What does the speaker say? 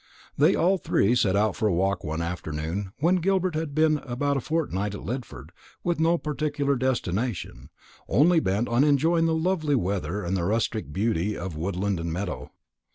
They all three set out for a walk one afternoon, when Gilbert had been about a fortnight at Lidford, with no particular destination, only bent on enjoying the lovely weather and the rustic beauty of woodland and meadow.